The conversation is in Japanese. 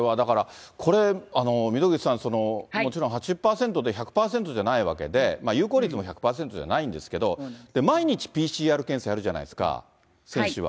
これは溝口さん、もちろん８０％で、１００％じゃないわけで、有効率も１００％じゃないんですけれども、毎日ＰＣＲ検査やるじゃないですか、選手は。